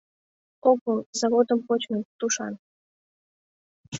— Огыл, заводым почыныт... тушан.